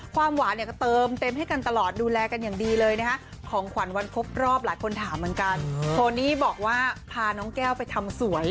ความหวานเนี่ยก็เติมเต็มให้กันตลอดดูแลกันอย่างดีเลยนะฮะของขวัญวันครบรอบหลายคนถามเหมือนกันโทนี่บอกว่าพาน้องแก้วไปทำสวย